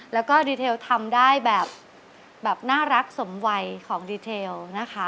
แล้วก็ดีเทลทำได้แบบน่ารักสมวัยของดีเทลนะคะ